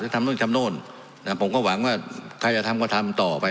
ทำนู่นทำโน่นผมก็หวังว่าใครจะทำก็ทำต่อไป